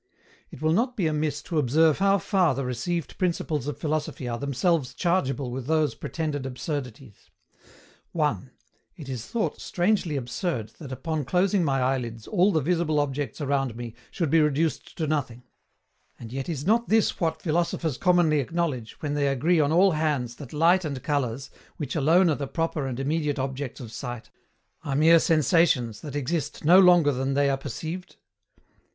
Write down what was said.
It will not be amiss to observe how far the received principles of philosophy are themselves chargeable with those pretended absurdities. (1) It is thought strangely absurd that upon closing my eyelids all the visible objects around me should be reduced to nothing; and yet is not this what philosophers commonly acknowledge, when they agree on all hands that light and colours, which alone are the proper and immediate objects of sight, are mere sensations that exist no longer than they are perceived?